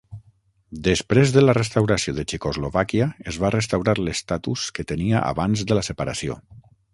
Després de la restauració de Txecoslovàquia, es va restaurar l'estatus que tenia abans de la separació.